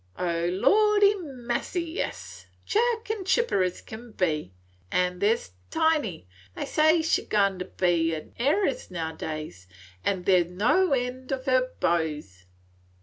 "O lordy massy, yes! Chirk and chipper as can be. An there 's Tiny, they say she 's a goin' to be an heiress nowadays, an' there 's no end of her beaux.